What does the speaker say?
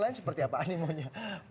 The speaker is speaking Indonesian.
lain seperti apa animonya